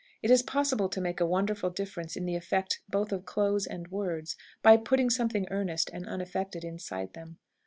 It is possible to make a wonderful difference in the effect both of clothes and words, by putting something earnest and unaffected inside them.